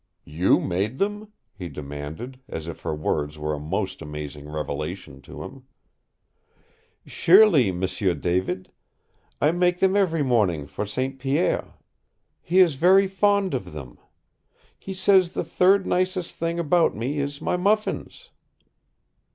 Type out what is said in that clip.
"You made them?" he demanded, as if her words were a most amazing revelation to him. "Surely, M'sieu David. I make them every morning for St. Pierre. He is very fond of them. He says the third nicest thing about me is my muffins!"